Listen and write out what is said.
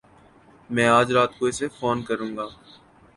میں اج رات کو اسے فون کروں گا۔